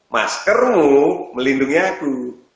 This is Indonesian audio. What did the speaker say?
maskermu melindungi aku